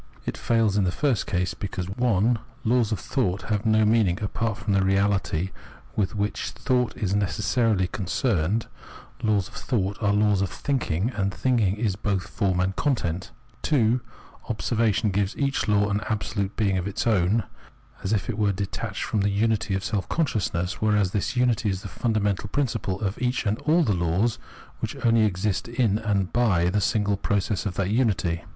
It fails in the first case because (1) "laws of thought" have no meaning apart from the reality with which thought is necessarily concerned ; laws of thought are laws of " thinking," and thinking is both form and content : (2) observation gives each law an absolute being of its own, as if it were detached from the unity of self consciousness, whereas this unity is the fundamental prin ciple of each and all the laws, which only exist in and by the single process of that unity.